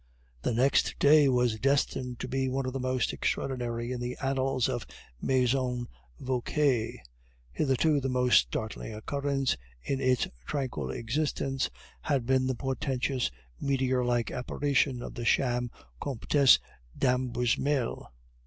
'" The next day was destined to be one of the most extraordinary in the annals of the Maison Vauquer. Hitherto the most startling occurrence in its tranquil existence had been the portentous, meteor like apparition of the sham Comtesse de l'Ambermesnil.